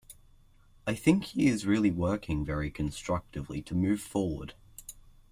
I think he is really working very constructively to move forward.